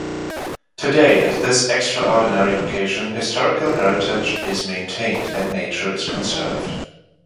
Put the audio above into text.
Today at this extraordinary location, historical heritage is maintained and nature is conserved.